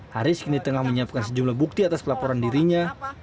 haris kini tengah menyiapkan sejumlah bukti atas pelaporan dirinya